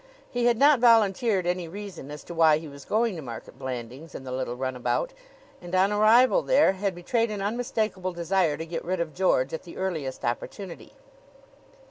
He had not volunteered any reason as to why he was going to Market Blandings in the little runabout, and on arrival there had betrayed an unmistakable desire to get rid of George at the earliest opportunity.